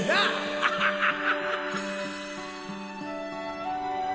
ハハハッ！